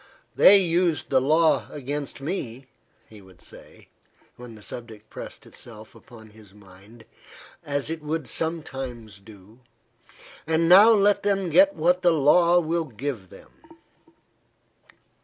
"They used the law against me," he would say, when the subject pressed itself upon his mind, as it would sometimes do, "and now let them get what the law will give them."